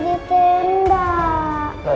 gue udah kebakaran